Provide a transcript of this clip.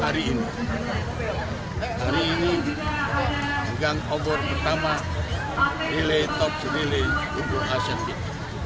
hari ini hari ini gang obor pertama nilai top nilai untuk asyik